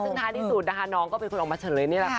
ซึ่งท้ายที่สุดนะคะน้องก็เป็นคนออกมาเฉลยนี่แหละค่ะ